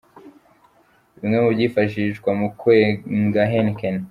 Bimwe mu byifashishwa mu kwenga Heineken.